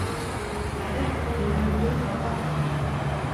Хәҙер Дөлдөлдө һатам.